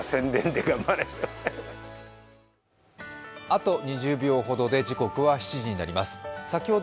あと２０秒ほどで時刻は７時になります。